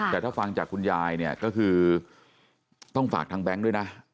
แต่ถ้าฟังจากคุณยายเนี่ยก็คือต้องฝากทางแบงค์ด้วยนะ